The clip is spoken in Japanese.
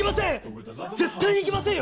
絶対行きません！